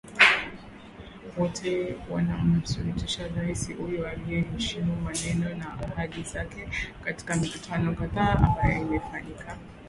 Wote wanamusurutisha Rais uyo aiyeheshimu maneno na ahadi zake katika mikutano kadhaa ambayo imefanyika